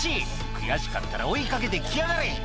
「悔しかったら追いかけてきやがれ！」